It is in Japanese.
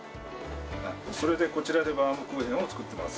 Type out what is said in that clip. それでこちらでバウムクーヘンを作ってます。